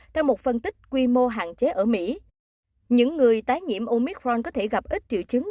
theo một phân tích quy mô hạn chế ở mỹ những người tái nhiễm omicron có thể gặp ít triệu chứng